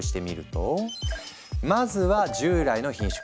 まずは従来の品種改良。